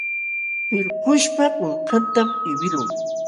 Pillkuśhpa kunkantam qiwiqlun.